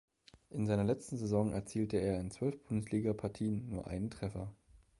In seiner letzten Saison erzielte er in zwölf Bundesligapartien nur einen Treffer.